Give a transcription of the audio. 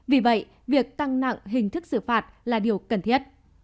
vì vậy việc tăng nặng hình thức xử phạt là điều cần thiết